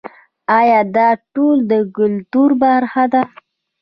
آیا دا ټول د کلتور برخه ده؟